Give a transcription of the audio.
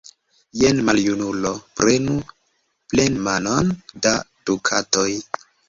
Jen, maljunulo, prenu plenmanon da dukatoj!